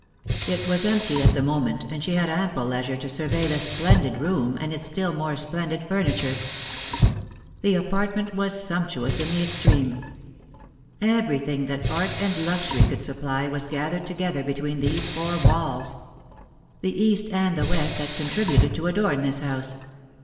It was empty at the moment, and she had ample leisure to survey the splendid room, and its still more splendid furniture. The apartment was sumptuous in the extreme. Everything that art and luxury could supply was gathered together between these four walls. The East and the West had contributed to adorn this house.